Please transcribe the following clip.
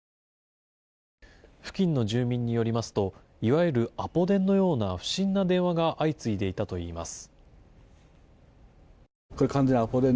付近の住民によりますといわゆるアポ電のような不審な電話が相次いでいたといいます。